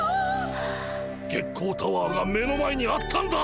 月光タワーが目の前にあったんだ！